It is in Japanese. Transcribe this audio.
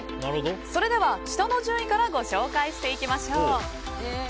それでは下の順位からご紹介していきましょう。